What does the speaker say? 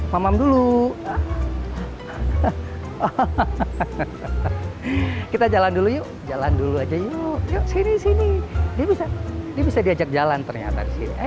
pamam dulu ah kita jalan dulu jalan dulu aja yuk shzidz ini bisa bisa diajak jalan ternyata